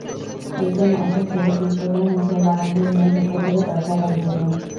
একজন আশাকে পিস্তলের মুখে বারান্দায় নিয়ে ভেতর থেকে দরজা লাগিয়ে দেন।